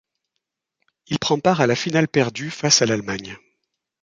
Il prend part à la finale perdue face à l'Allemagne.